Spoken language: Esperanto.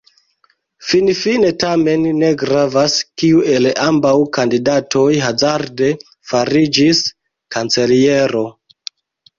Finfine tamen ne gravas, kiu el ambaŭ kandidatoj hazarde fariĝis kanceliero.